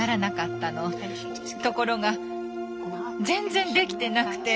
ところが全然できてなくて。